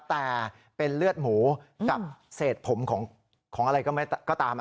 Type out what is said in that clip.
แต่เป็นเลือดหมูกับเศษผมของอะไรก็ตาม